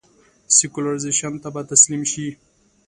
سیکولرایزېشن ته به تسلیم شي.